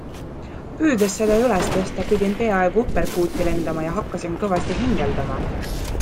Püüdes seda üles tõsta pidin peaaegu uperkuuti lendama ja hakkasin kõvasti hingeldama.